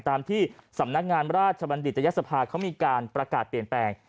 ตามที่สำนักงานราชบัณฑิตยศภาเขามีการประกาศเปลี่ยนแปลง